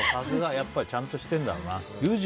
やっぱりちゃんとしてるんだな。